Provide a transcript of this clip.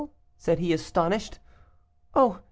said he, astonished. 'Oh!